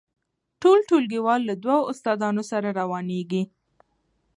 ټول ټولګیوال له دوو استادانو سره روانیږي.